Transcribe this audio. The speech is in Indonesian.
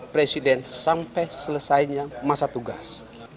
presiden sampai selesainya masa tugas